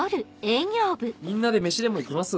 みんなで飯でも行きます？